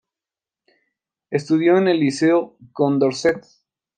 Estudió en el Liceo Condorcet.